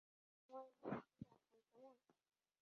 আমার এটা আপনি রাখুন, কেমন?